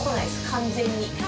完全に。